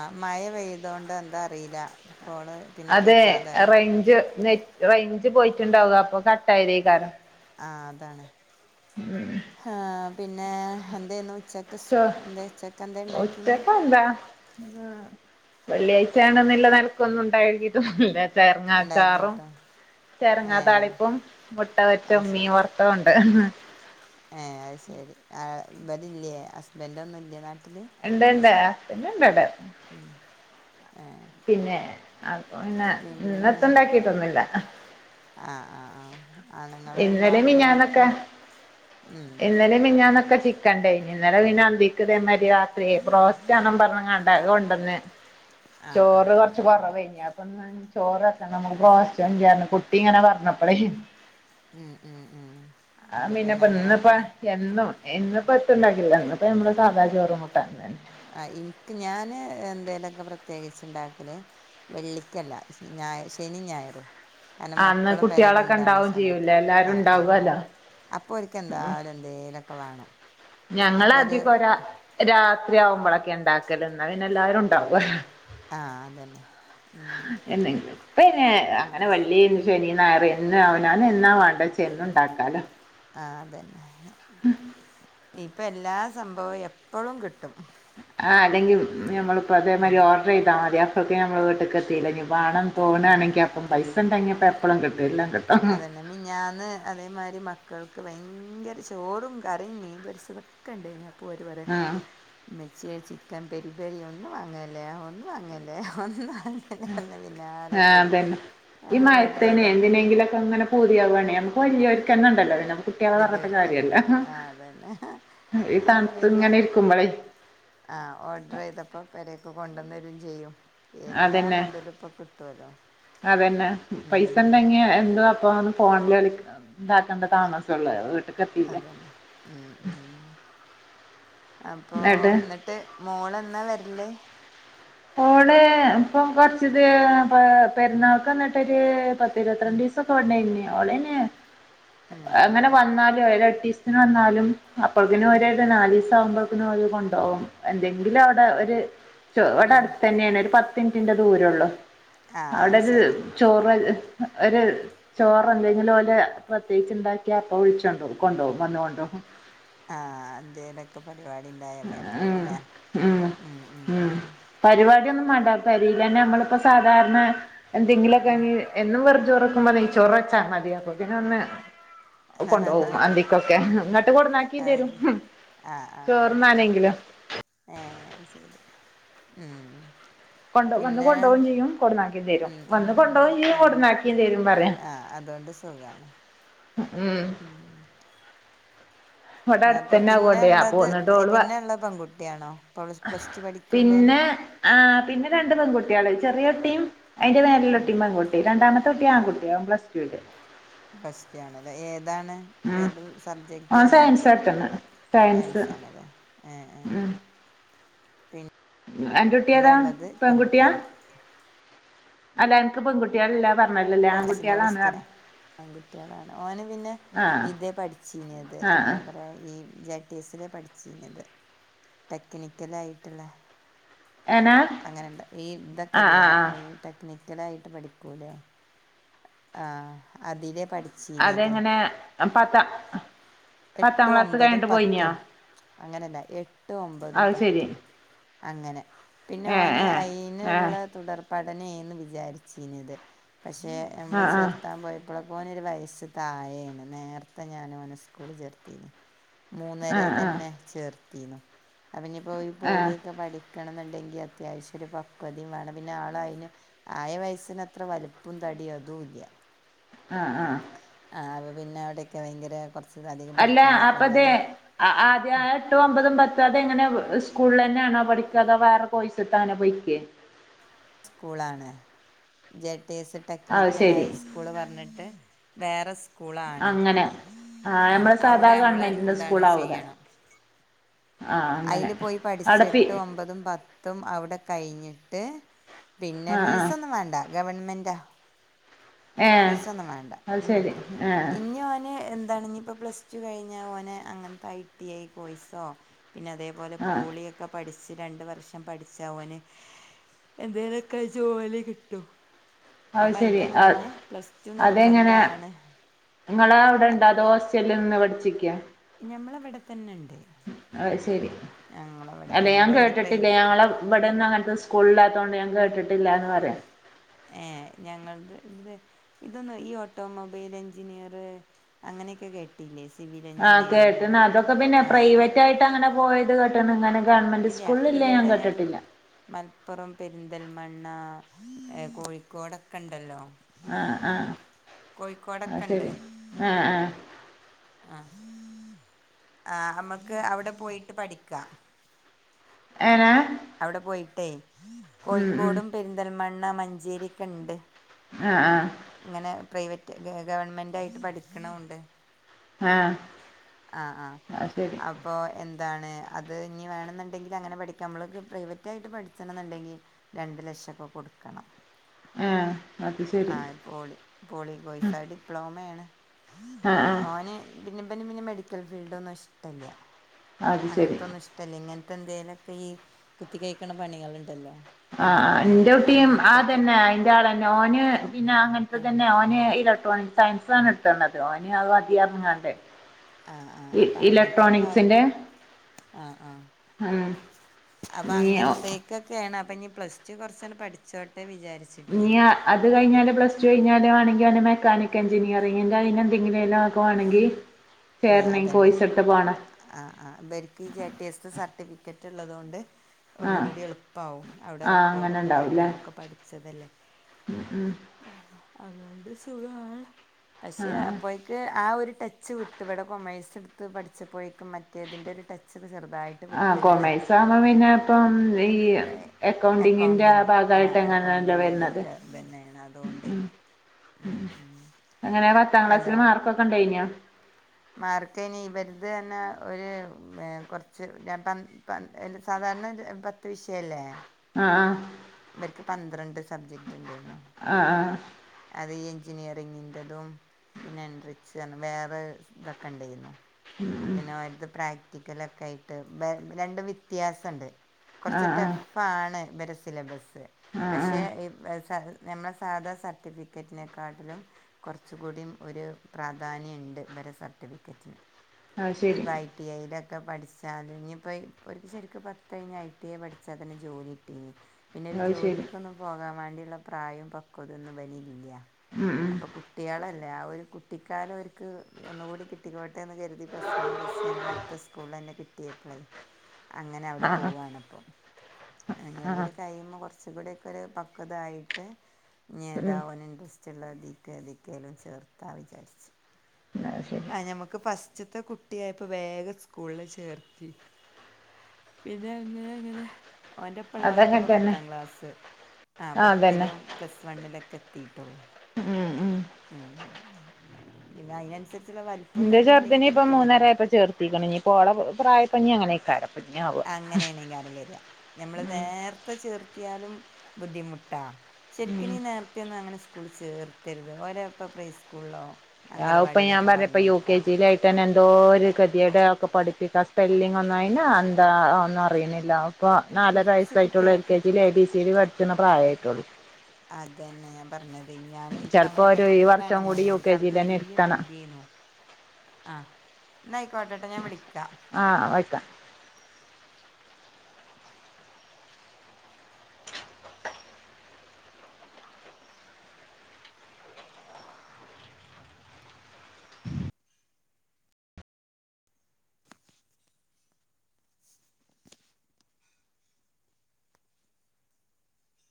ആ മഴ പെയ്ത കൊണ്ട് എന്താ അറിയില്ല കോള് പിന്നെ അതെ കേക്കാതായി റേഞ്ച് നെറ്റ് റേഞ്ച് പോയിട്ടുണ്ടാവു അപ്പൊ കട്ടായ ദേയ്കാരം ആഹ് അതാണ് ഉം ഉം ഹേ പിന്നെ എന്തുന്നു ഉച്ചക്ക് സ് ചോ എന്താ ഉച്ചക്ക് എന്താ ഉണ്ടാക്കിന്ന് ഉച്ചക്ക് എന്താ വെള്ളിയാഴ്ച്ച ആണെനില്ല നിലക്കൊന്നും ഉണ്ടാക്കിട്ടൊന്നും ഇല്ല ചെരങ്ങച്ചാറും ഉണ്ടാക്കിട്ടോ ഏ ചെരങ്ങാ താളിപ്പും മുട്ട വച്ചും മീന് വർത്തതും ഉണ്ട് ഏഹ് അയ് ശെരി ഇവരില്ലേ ഹസ്ബൻഡ് ഒന്നും ഇല്ലേ നാട്ടില് ഇണ്ട് ഇണ്ട് ഹസ്ബൻഡ് ഇണ്ട് ഇവിടെ ഉം ഏഹ് പിന്നെ അപ്പൊ പിന്നെ ഇന്ന് എത്തും ഇണ്ടാക്കിട്ടൊന്നുമില്ല ആഹ് ആഹ് ആഹ് ആണുങ്ങൾ ഇന്നലെ ഉണ്ടാകുബോ മിനിഞ്ഞാന്നൊക്കെ ഒൽക്ക് ഉം ഇനെലെ മിഞ്ഞാന്നക്കെ ചിക്കൻ ഇണ്ടായിനി ഇന്നലെ പിന്നെ അന്തി ക്കതേ മാരി രാത്രി ബ്രോസ്റ്റ് വാണം പറഞ്കാണ്ട് അത് കൊണ്ടന്ന് ആ ആ ചോറ് ആ കുറച്ച് ആ കുറവ് ഏയ്നി അപ്പൊ ഇന്ന് ചോറ്ക്ക നമ്മൾ അത് ശരി ബ്രോസ്റ്റ് കൊണ്ടരാ പറഞ്ഞ് കു ട്ടി ഇങ്ങനെ പറഞ്ഞപ്പളേയ് ഉം ഉം ഉം ആഹ് അപ്പൊ പിന്നെ അങ്ങനെ മീനപ്പന്ന് പ്പാ കൊറ എന്നും ഇന്ന്പ്പം എത്തും ഇണ്ടാക്കില്ലന്ന് ഇന്ന് ഇപ്പം നമ്മള് സാദാ ചോറും കൂട്ടാനന്നെ ആ എനിക്ക് ഞാന് എന്തേലൊക്കെ പ്രത്യേകിച്ച് ഉണ്ടാക്കല് വെള്ളിക്കല്ല ഞാ ശനി ഞായറും കാരണം അന്ന് മക്കൾ പേരേൽ കുട്ടികളൊക്കെ ഇണ്ടാവണ ഉണ്ടാവും സമയത്ത് ചെയ്യൂലേ എല്ലാരും ആഹ് ആഹ് ആഹ് ഉണ്ടാവുവല്ലോ അപ്പോ ഓൽക്ക് എന്തായാലും എന്തേലും ഒക്കെ വേണം ഞങ്ങള അപ്പോ ഒരു അധികം ഒരാ രാത്രി ആവുമ്പോളൊക്കെ ഉണ്ടാക്കല് എന്ന പിന്നെ എല്ലാവാരും ഉണ്ടാവും ആഹ് അതന്നെ ഉം എന്തെങ്കിലും ഇപ്പന്നെ അങ്ങനെ വെള്ളി ശനി ഞായർ എന്ന് അവന എന്നാ വേണ്ട വെച്ച എന്ത് ഉണ്ടാക്കാലോ ആഹ് അതന്നെ ഇപ്പ എല്ലാ സംഭവും എപ്പൊഴും കിട്ടും ആ അല്ലെങ്കിൽ നമ്മളിപ്പോ ഉം അതേമാതിരി ഓഡർ ചെയ്താൽ മതി അപ്പഴൊക്കെ ഞമ്മൾ വീട്ടിൽക്ക് എത്തിയില്ലേ വാണം ഉം പോവുകാണെങ്കിൽ അപ്പം പൈസ ഉണ്ടെങ്കിൽ ഇപ്പ എപ്പഴും കിട്ടും എല്ലാം കിട്ടും അതന്നെ മിഞാന്ന് അതേമാതിരി മക്കൾക്ക് ഭയങ്കര ചോറും കറിം മീൻ പൊരിച്ചതും ഒക്കെണ്ടായിന്ന് അ പോര് പറ ആ മെച്ചിയെ ചിക്കൻ പെരി പെരി ഒന്നും വാങ്ങല്ലേ ഒന്ന് വാങ്ങല്ലേ വന്ന് വാ [unintelligible] പിന്നാലെ ആ കൂടി അതന്നെ ഓഡർ ചെയ്തപ്പൊ അങ്ങനെ പൂതിയാവാണേ നമക്ക് വലിയരിക്കന്നുണ്ടല്ലോ പിന്ന കുട്ടികളെ പറഞ്ഞിട്ട് വലിയവർക്ക് തന്നെ കാര്യല്ല ഉണ്ട് ആ അതന്നെ ഈ അപ്പോൾ തണുത്ത് പിന്നെ ഇങ്ങനെ ഇരിക്കുമ്പൊളെ ആ ഓർഡർ ചെയ്തപ്പൊ പേരേക്ക് കൊണ്ടുവന്ന് തരും ചെയ്യും എല്ലാ അതന്നെ മൊതലിപ്പം കിട്ടോല്ലോ അതന്നെ പൈസ ണ്ടങ്ങ എന്തോ അപ്പന്ന് ഫോണിൽ കള ഇതാക്കേണ്ട താമസെള്ള് അതന്നെ ഉം ഉ എന്നിട്ട് അപ്പൊന്നിട്ട് മോള് എന്നാ വരില് ഓള് ഇപ്പ കൊറച്ച് ഇത് പെരുന്നാൾക്ക്ന്നിട്ടൊര് പത്തി ഉം ഇരുപത്തിരണ്ടീസം ഓളന്നെ ഉം ഉം അങ്ങനെ വന്നാലുംരണ്ടീസത്തിന് വന്നാലും അപ്പോഴക്കിനും ആഹ് ഒരത് നാല് ദിവസ ആകുമ്പോഴക്കിനും ഓരു കൊണ്ടോവും എന്തെങ്കിലും അവിടെ ഒര് ആഹ് തന്നെയാണ് ഒരു പത്ത് മിനിറ്റിന്റെ ദൂരെള്ളൂ ആഹ് അവിടെ അത് ഒരു ശരി ചോറ് ഒരു ചോറെ എന്തെങ്കിലും ഓലെ പ്രത്യേകിച്ച് ഉണ്ടാക്കിയ അപ്പൊ വിളിച്ചോണ്ടോവും വന്ന കൊണ്ടോവും ആഹ എന്തേലൊക്കെ പരിപാടി ഉണ്ടായ ഉം പോവൂലെ ഉം ഉ ഉ ഉം ഉ പരിപാടിയൊന്നും വേണ്ട പരിയില്ലന്നെ നമ്മളിപ്പോ സാധാരണ എന്തെങ്കിലുമൊക്കെ ആഹ് എന്നും വെറും ചോറെക്കുമ്പൊനൈ ചോറെച്ചാ മതിയാകും പിന്നെ ഒന്ന് കൊണ്ടോകും അന്തിക്കൊക്കെ എന്നിട്ട് കൊടുനാക്കി തരും ആ ആ് ആ ചോറ്ന്നാനെങ്കിലും ഏ ശരി ഉ കൊണ്ടോ വന്ന് പിന്നെ കൊണ്ടോവും ചെയ്യും കൊടന്നാക്കിം തരും ഉ ഉ വന്ന് കൊണ്ടോവും ചെയ്യും ആ കൊടന്നാക്കിം തരും പറയാ ആ അതുകൊണ്ട് സുഖാണ് ഉം ഉം ഇവിടെ അപ്പൊ അടുത്തന്നെ ആവോണ്ടേ അപ്പൊ പിന്നെള്ളത് എന്നിട്ട് ഓള് പ പിന്നെള്ള പെൺകുട്ടിയാണോ പ്ലസ് ടു പഠിക്ക്ണ്ട് പറഞ്ഞെ പിന്നെ ആ പിന്നെ രണ്ട് പൺകുട്ടികള് ചെറിയൊട്ടിയും അതിന്റെ മേലെ ഒട്ടി പെൺകുട്ടി രണ്ടാമത്തെ ഒട്ടി ആൺകുട്ടി ഓൻ പ്ലസ്റ്റൂല് പ്ലസ്റ്റു ആണ് ല്ലേ ഏതാണ് ഉം ഏത് സബ്ജക്റ്റ് ഓൻ ഏതാ സയൻസാട്ട്ന്ന് സയൻസ് ആണല്ലേ ഉ ഉ ഉം അന്റെ കുട്ടി പിന്നെ ഏതാ ഉള്ളത് പെൺകുട്ടിയാ പെൺകുട്ടികള് അല്ല നിക്ക് പെൺകുട്ടിയളില്ലപ ഓഫീസിനോട് സ്ഥിര [unintelligible] [inaudible] പെൺകുട്ടികളാണ് ഓന് പിന്നെ ആഹ് ഇതേ പഠിച്ചിനത് ആഹ് എന്താ പറയാ ഈ ടി സില പഠിച്ചഞ്ത് ടെക്നിക്കലാ യിട്ട്ള്ളെ ഏനാ അങ്ങനെ ഈ ആഹ് ഇതൊക്കെല്ലേ ആഹ് ആഹ് ഈ ടെക്നിക്കലായിട്ട് പഠിക്കൂലേ ആ അതിലേപഠി അതെങ്ങനെ പത്ത എട്ട് ഒമ്പതും പത്തും അങ്ങനല്ല എട്ട് ഒമ്പതും അത് ശരി പത്തും അങ്ങനെ പിന്നെ ഏഹ് ഓന് ഏഹ് ഏഹ് അയിനുള്ള തുടർ പഠനയെന്ന് വിചാരിച്ചിഞ്ഞത് പക്ഷെ നമ്മള് ആഹ് ആഹ് ചെറുത്താൻ പോയ ഇപ്പോള മോനൊരു വയസ്സ് താഴെയാണ് നേർത്തെ ഞാനവനെ സ്കൂളിൽ ചേർത്തന് മൂന്നര ആഹ് ആഹ് തന്നെ ചേർത്തിരുന്നു അവനിപ്പോ ഈ ആഹ് പോളിയൊക്കെ പഠി എന്നുണ്ടെങ്കിൽ അത്യാവശ്യ ഒരു പക്വതിയും വേണം പിന്നെ ആള അതിന് ആയ വയസ്സിനത്ര വല വലുപ്പോം തടീം അതും ഇല്ല ആഹ ആഹ ആ അപ്പ പിന്നെ അവിടൊക്കെ ഭയങ്കര കുറച്ച് അധികം അല്ല പഠിക്കാണ്ട് അപ്പൊ അപ്പത എന്തായാലും ആദ്യ എട്ടും ഒമ്പതും പത്തും അതും എങ്ങനെ സ്കൂളിൽ തന്നെയാണോ പഠിക്ക അതോ വേറെ കൊയിസ് എടുത്താണോ പോയ്കെ സ്കൂളാണ് ജെടീസ് അത് ടെക്നിക്കൽ ശരി ഹൈസ്കൂള് പറഞ്ഞിട്ട് വേറെ സ്കൂളാണ് അങ്ങനെ ആ നമ്മളെ സാധാ അവിടെ നമ്മള് ഗവൺമെന്റിന്റെ എന്താണ് സ്കൂളാവൂലെ ചെയ്യണം ആ അങ്ങനെ അയില് പോയി അവിടെ ഫീ പഠിചിട്ട് ഒമ്പതും പത്തും അവിടെ കഴിഞ്ഞിട്ട് പിന്നെ ആ ആ ഫീസ ഒന്നും വേണ്ട ഗവൺമെന്റാ ഏ ഫീസ് ഒന്നും വേണ്ട അത് ഉം ശരി ആ ഇനി അവന് എന്താണ് ഇനി ഇപ്പം പ്ലസ് ടു കഴിഞ്ഞാൽ ഓനെ അങ്ങനത്തെ ഐ ടി ആയി കോയ്സോ പിന്നെ അതേപോലെ ആ പോളിയൊക്കെ പഠിച്ച് രണ്ട് വർഷം പഠിച്ച ഓന് എന്തെലൊ ക്കെ ജോലി കിട്ടും അഹ് അത് അപ്പം സരി അതിൻ്റെ അ മുന്നേ പ്ലസ് ടു അതെങ്ങന നിർബന്ധമാണ് നിങ്ങള് അവടെണ്ടോ അദോ ! ! ! ! ! ! ! ! ന്ന് പഠിച്ചിക്ക [unintelligible] ഞമ്മളവ്ടെത്തന്നെ ഇണ്ട് അത് സരി അല്ല തന്നെ ഞാൻ ഉണ്ട് അതിന് കേട്ടിട്ടില്ല പ്രൈവറ്റ് ഞങ്ങളെ ഇവെടെന്നും അങ്ങനത്തെ സ്കൂൾല്ലാതോണ്ട് ഞാൻ കേട്ടിട്ടില്ലന്ന് പറയാ ഏഏ ഞങ്ങൾത് ഇബ്ടെ ഇതൊന്ന് ഈ ഓട്ടോമൊബൈൽ എഞ്ചിനീയർ അങ്ങനെയൊക്കെ കേട്ടി ട്ടില്ലേ സിവിൽ എഞ്ചിനീർ ആ ! ! ! ! ! ! ! ! ! ! ! [inaudible] അങ്ങനെ പോയത് കേട്ട്ണ് ഇങ്ങെനെ ഗവൺമെന്റ് ഇല്ല സ്കൂൾല് ഇല്ലത് ഞാ ഇവിടെ കേട്ടിട്ടില ഞങ്ങൾക്ക് മലപ്പുറം പെരിന്തൽമണ്ണ എ കോഴിക്കോടൊക്കെ ഇണ്ടല്ലോ ആഹ് ആഹ് അത്ശരി ആഹ് ആഹ് അ ആ അമക്ക് അവടെ പോയിട്ട് പഠിക്കാ ! ! ! ! ! ! ! [inaudible] അവടെ പോയിട്ടേയ് ഉം കോഴിക്കോടും പെരിന്തൽമണ്ണ മഞ്ചേരി ക്കെണ്ട് ആഹ് ആഹ് ഇങ്ങനെ പ്രൈവറ്റ് ഗവണ്മെന്റയിട്ട് പഠിക്ക്ണുണ്ട് ആ ആഹ് ആഹ് അത് ശരി അ ഇപ്പോൾ എന്താണ് അത് ഇനി വേണെന്നുണ്ടെങ്കിൽ അങ്ങനെ പഠിക്കാ നമ്മൾ പ്രൈവറ്റായിട്ട് പഠിച്ചണന്ന്ണ്ടെങ്കിൽ രണ്ട് ലക്ഷക്കെ കൊട്ക്കണം ആ അത് ശരി ആഹ് പോളി പോളി കോഴ്സ് ദ് ഡിപ്ലോമേണ് ആ ആ ഓന് പിന്നെ പിന്നെ പിന്നെ മെഡിക്കൽ ഫീൽഡ് ഒന്നും ഇഷ്ടല്ല അത് ശരി അങ്ങൻത്തൊന്നും ഇഷ്ടല്ല ഇങ്ങനത്തെ എന്തേലൊക്കെ ഈ കുത്തി കയിക്കണ പണികൾ ഉണ്ടല്ലോ ആഹ് ആഹ് ഇന്റെ കുട്ടീം ആതന്നെ അയിന്റെ ആളന്നെ ഓന് പിന്നെ അങ്ങനത്തെ ആ തന്നെ മത് ഓന് ഇലക്ട്രോണിക് സയൻസാണ് എട്ത്ണത് ഓന് അത് മതി അർഞ്ങ്ങാണ്ട് ആഹഹ് ആഹ് അപ്പൊ അങ്ങൻത്തക്കെ ആവുമോ ആഹ് ആഹ് ഉം അപ്പൊ നീ അങ്ങനത്തെ തൊക്കെണ് അപ്പൊ ഞ്ഞി പ്ലസ് ടു കുറച്ചങ്ങ് പഠിച്ചോട്ടേ വിചരിച് ഇഞ്യാ അത് കഴിഞ്ഞാല് പ്ലസ് ടു കഴിഞ്ഞാല് വാണെങ്കിൽ ഓനെ മെക്കനിക്ക് എഞ്ചി നീയറിങ്ങിന്റെ അയിനെന്തെങ്കിലും പോണെങ്കിൽ ചേരനെങ്കിൽ കോയ്സെടുത് പോണ ആ ആ ഇബര്ക്ക് ഈ ജെട്ടി എസ്റ്റ് സർട്ടിഫിക്കറ്റ് ഇള്ളതോണ്ട് ആ ഒന്നും കൂടി എള്പ്പാവും അവടെ ആ അങ്ങനെ റെക്കോഡും കാര്യോം ഉണ്ടാവുംല്ലേ ഒക്കെ പഠിച്ചതല്ലേ ഉം അതോണ്ട് സുഖാണ് ആ പക്ഷെ അപ്പോയെക്ക് ആ ഒരു ടച്ച് വിട്ടു ഇവടെ കൊമേഴ്സ് എട്ത്ത് പഠിച്ചപോയേക്കും മറ്റേതിൻ്റെ ഒരു ടച്ച് ചെറുതായിട്ട് ആ വിട്ട്ക്ക്ണ് കൊമേഴ്സ് ആവുമ്പോ പിന്നെ പ്പം ഈ അക്കൗണ്ടിങ്ങിന്റെ അക്കൗണ്ടിങ് ആ ഭാഗയ്ട്ട് എങ്ങനാല്ലോ അക്കൗണ്ടിങ്ങിൻ്റെ വര്ന്നത് ഒക്കെ ഇതന്നെയാണ് അതുകൊണ്ടേ ഉം ഉം ഉം എങ്ങനെ പത്താം ക്ലാസ്സില് മാർക്കൊക്കെ ഇണ്ടയ്ൻനോ മാർക്കയ്ന് വെർതെന്നെ ഒരു ഏ കൊറ്ച്ച് പം പം സാധാരണ രു പത്ത് വിഷയല്ലേ ആഹ് ആഹ് ഇവര്ക്ക് പന്ത്രണ്ട് സബ്ജക്ട് ഇണ്ടായ്ന്നു ആ ആ അതീ എൻചിനീയറിങ്ങിന്റതും പിന്നെ എൻട്രക്സ് വേറെ തൊക്കെ ണ്ടയ്ന്നു പിന്നെ ഓലത് പ്രാക്ടിക്കലൊക്കെ ആയിട്ട് വെ രണ്ടും വ്യത്യാസണ്ട് ആ കൊറച്ച് ആ ടഫാണ് ഇവരെ സിലബസ്സ് ആ ആ ആ പക്ഷേ ഇ സ നമ്മളെ സാധാ സർട്ടിഫിക്കറ്റിനെക്കാട്ടിലും കൊറച്ചുകൂടീം ഒരു പ്രാധാന്യണ്ട് ബരെ സർട്ടിഫിക്കറ്റിന് അത് ശരി ഇവാ ഐ ടി ഐയിലൊക്കെ പഠിച്ചാല് ഇഞ്ഞിപ്പോ ഓല്ക്ക് ശെരിക്ക് പത്ത് കഴിഞ്ഞ ഐ ടി ഐ പഠിച്ചാ തന്നെ ജോലി കിട്ടീന്ന് പിന്നെ രു അത് ശരി ജോലിക്കൊന്നും പോകാൻ വണ്ടിള്ള പ്രായോം പക്വതേം ന്നും ഇവനില്ലാ ഉം ഉം അപ്പൊക്കു ട്ടൃളെല്ലേ ആ ഒരു കുട്ടിക്കാലം ഓര്ക്ക് ഒന്നുകൂടി കിട്ടിക്കോട്ടെന്ന് കരുതി. അന്ന് സൻ ബസ്സ്ഞങ്ങള അടുത്ത സ്കൂൾളെന്നെ കിട്ടിയപ്പ്ളേ. അങ്ങനെ അവിടെ ആ പോവാണ്പ്പേ ഞ ആ തൂഴിയുബേ കെർ കെർച്ചുംകൂടിയൊക്കെരു പക്വതാ യിട്ട് ഇനി ഉം യെതാവന് ഇൻട്രസ്റ്റ്. റ്റുള്ളദീക്കെ ദീക്കെങ്കിലും ചേർത്താ വിചാരിച്ച്. അത് ശരി ആ ഞമ്മക്ക് ഫസ് റ്റ്ത്തെ കുട്ടിയായപ്പോ വേഗം സ്കൂൾല് ചേർത്തി. പിന്നെങ്ങെ ങ്ങനെ ഓന്റെപ്പള്ളേരൊക്കെ അതങ്ങനെ ഇപ്പേ തന്നെ പത്താം ക്ലാസ്സ്. ആ പത്തിലും. പ്ലസ് വണ്ണിലൊക്കെ എത്തീട്ടുള്ളു ഉം ഉം ഉം പിന്നെഅയിനൻസെരി സരിച്ച് വൽപ്പം തടി ണ്ടെങ്കിൽ തര തികഞ്ഞി പ്പോള പ്രായ ഞ്ഞിങ്ങനെയ്ക്കാരം. അങ്ങണെയ്കാരം വെരാ ഞമ്മള് ഉം നേര്ത്തെ ചേർത്തിയാലും ബുദ്ധിമുട്ടാ. ശെരിക്ക് ഉം നി നേരത്തെന്നും അങ്ങനെ സ്കൂൾല്ചേർത്തരുത് ഓരപ്പ പ്രീസ്കൂളില്ലോ. ഔ പ്പ ഞാ പറഞ്പ്പ യു. കെ. ജി. ന്ന്ട്ട് തന്നെന്തോര് കെതിയെടാ പഠിപ്പിക്കാൻ സ്പെല്ലിങ്ങെന്നും അയിന് ന്താ ഒന്നും അറിണില്ല. പ്പൊ നാലര കുറച്ച് വയസ്സായിട്ടെള്ളൂ എൽ. കുട്ടികൾക്ക് K. G. A. B. C D പഠിച്ച്ണ പ്രായായിട്ടെള്ളൂ. അതെന്നെ ഞാ പറഞ്ഞതെ ചെലപ്പോ ഞാനിൻക്കങ്ങനെ ഒരു ഈ പെട്ടതാണ് വർഷം കൂടി ഞാന് യു കെ ൻക്കന്ന് ജിയിൽ തന്നെ വല്വ ഇരുത്തണം പൂതിയെന്നു. ആഹ് ന്നയിക്കോട്ടട്ടോ ഞാ വിളിക്കാ. ആഹ് വയ്ക്ക.